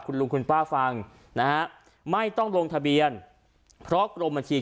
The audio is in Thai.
คุณลุงคุณป้าฟังนะฮะไม่ต้องลงทะเบียนเพราะกรมบัญชี